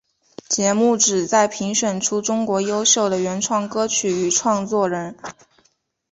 节目旨在评选出中国优秀的原创歌曲与唱作人。